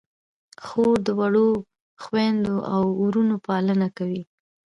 خور د وړو خویندو او وروڼو پالنه کوي.